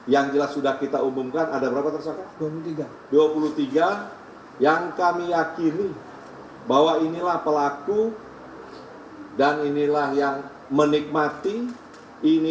yang jelas sudah kita umumkan